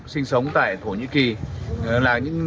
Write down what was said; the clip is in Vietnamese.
sinh sống tại thổ nhĩ kỳ